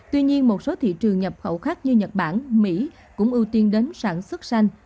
tuy nhiên một số thị trường nhập khẩu khác như nhật bản mỹ cũng ưu tiên đến sản xuất xanh